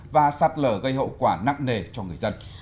và sạt lở gây hậu quả nặng nề cho người dân